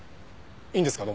いいんですか？